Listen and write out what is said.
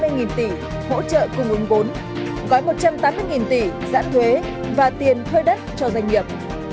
gói tín dụng hai trăm năm mươi tỷ hỗ trợ cùng ứng vốn gói một trăm tám mươi tỷ giãn thuế và tiền thuê đất cho doanh nghiệp